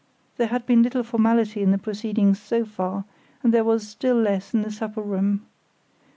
There had been little formality in the proceedings so far, and there was less still in the supper room.